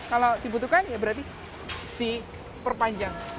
kalau dibutuhkan ya berarti diperpanjang